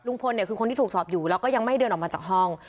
เนี่ยคือคนที่ถูกสอบอยู่แล้วก็ยังไม่เดินออกมาจากห้อง